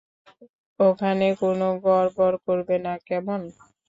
ওখানে কোন গড়বড় করবে না, কেমন?